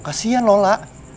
kasian lo lah